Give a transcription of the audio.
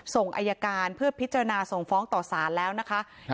ส่งอายการเพื่อพิจารณาส่งฟ้องต่อสารแล้วนะคะ